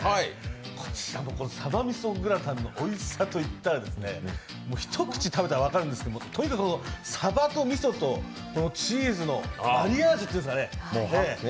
こちらのさばみそグラタンのおいしさといったらですね、もう一口食べたら分かるんですけど、さばとみそとチーズのマリアージュっていうんですかね。